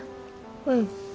うん。